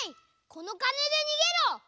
このかねでにげろ！